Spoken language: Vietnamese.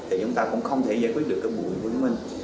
thì chúng ta cũng không thể giải quyết được bụi vứt minh